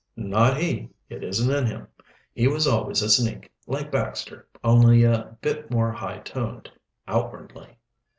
"Not he; it isn't in him. He was always a sneak, like Baxter, only a bit more high toned, outwardly."